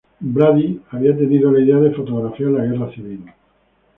Brady había tenido la idea de fotografiar la Guerra Civil.